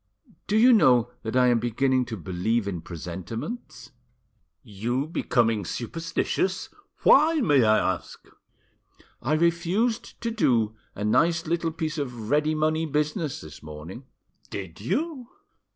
Do you know that I am beginning to believe in presentiments?" "You becoming superstitious! Why, may I ask?" "I refused to do a nice little piece of ready money business this morning." "Did you?"